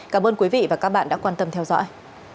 cảm ơn quý vị và các bạn đã quan tâm theo dõi